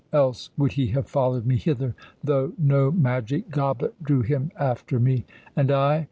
Else would he have followed me hither, though no magic goblet drew him after me? And I?